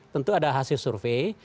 tentu ada hasil survei